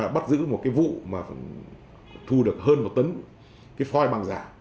bắt giữ một vụ thu được hơn một tấn phoi bằng giả